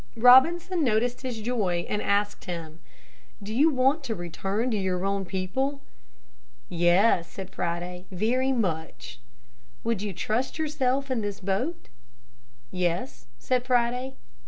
Robinson noticed his joy and asked him, "Do you want to return to your own people?" "Yes," said Friday, "very much." "Would you trust yourself in this boat?" "Yes," said Friday.